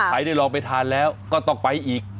ได้ลองไปทานแล้วก็ต้องไปอีก